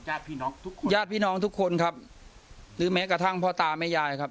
ญาติพี่น้องทุกคนญาติพี่น้องทุกคนครับหรือแม้กระทั่งพ่อตาแม่ยายครับ